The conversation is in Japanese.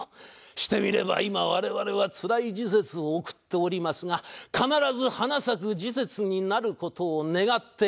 してみれば今我々はつらい時節を送っておりますが必ず花咲く時節になる事を願って。